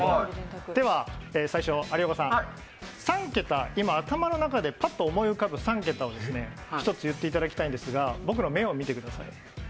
では、最初、有岡さん、３桁、頭の中でパッと思い浮かぶ３桁を言っていただきたいのですが僕の目を見てください。